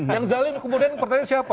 yang zalim kemudian pertanyaan siapa